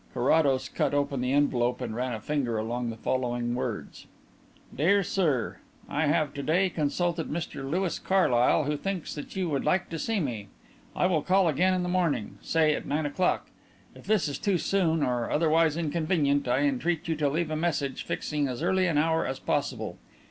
Carrados cut open the envelope and ran a finger along the following words: "DEAR SIR, I have to day consulted Mr Louis Carlyle, who thinks that you would like to see me. I will call again in the morning, say at nine o'clock. If this is too soon or otherwise inconvenient I entreat you to leave a message fixing as early an hour as possible.